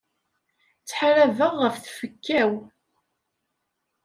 Ttḥarabeɣ ɣef tfekka-w.